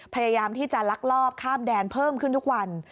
พยายามที่จะลักลอบข้ามแดนเพิ่มขึ้นทุกวัน